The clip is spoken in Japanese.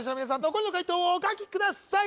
残りの解答をお書きください